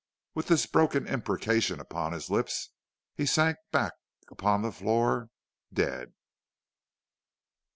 With this broken imprecation upon his lips, he sank back upon the floor, dead."